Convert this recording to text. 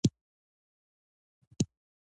دا ژمنه ده چې خلک ایدیالوژۍ ته مخه کړي.